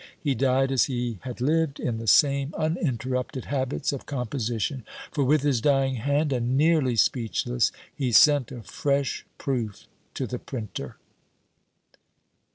He died as he had lived, in the same uninterrupted habits of composition; for with his dying hand, and nearly speechless, he sent a fresh proof to the printer!